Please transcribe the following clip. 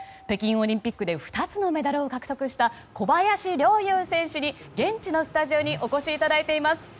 北京オリンピックで２つのメダルを獲得した小林陵侑選手に現地のスタジオにお越しいただいています。